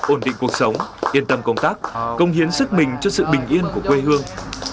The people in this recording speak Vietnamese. ổn định cuộc sống yên tâm công tác công hiến sức mình cho sự bình yên của quê hương